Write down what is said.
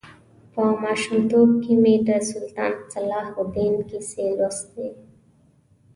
په ماشومتوب کې مې د سلطان صلاح الدین کیسې لوستې.